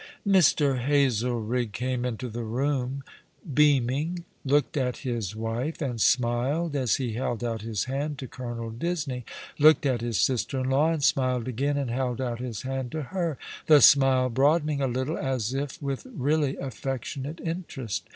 Mr. Hazelrigg came into the room beaming, looked at his wife and smiled, as he held out his hand to Colonel Disney, looked at his sister in law and smiled again, and held out his hand to her, the smile broadening a little, as if with really affectionate interest.